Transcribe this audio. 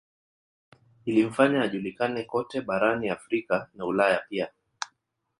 Ilimfanya ajulikane kote barani Afrika na Ulaya pia